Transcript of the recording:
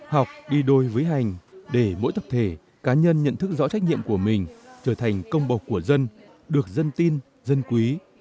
học đi đôi với hành để mỗi tập thể cá nhân nhận thức rõ trách nhiệm của mình trở thành công bộc của dân được dân tin dân quý